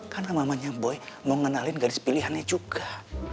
karena mamanya boy mau ngenalin gadis pilihannya juga